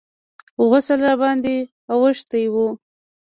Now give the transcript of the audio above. غسل راباندې اوښتى و.